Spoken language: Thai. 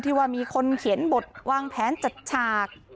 ว่ามีคนเขียนบทวางแผนจัดฉาก